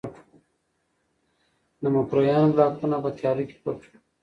د مکروریانو بلاکونه په تیاره کې پټ وو.